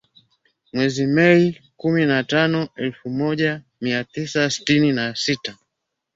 Mwezi Mei, kumi na tano ,elfu moja mia tisa sitini na sita